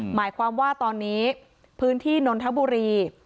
หมายความว่าตอนนี้พื้นที่นนทบุรี